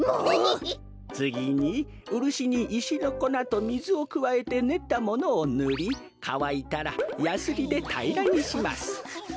つぎにウルシにいしのこなとみずをくわえてねったものをぬりかわいたらやすりでたいらにします。